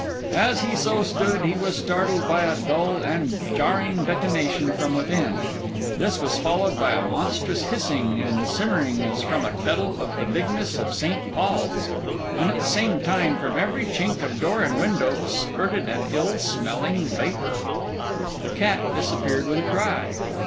As he so stood, he was startled by a dull and jarring detonation from within. This was followed by a monstrous hissing and simmering as from a kettle of the bigness of St. Paul's; and at the same time from every chink of door and window spirted an ill smelling vapour. The cat disappeared with a cry.